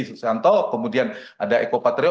susanto kemudian ada eko patrio